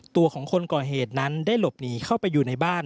ตัวของคนก่อเหตุนั้นได้หลบหนีเข้าไปอยู่ในบ้าน